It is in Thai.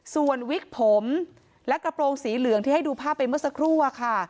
ส่วนวิกผมและกระโปรงสีเหลืองที่ให้ดูภาพไปเมื่อสักครู่อะค่ะ